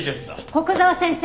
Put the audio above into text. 古久沢先生！